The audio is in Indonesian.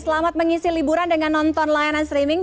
selamat mengisi liburan dengan nonton layanan streaming